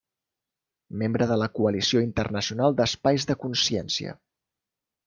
Membre de la Coalició Internacional d’Espais de Consciència.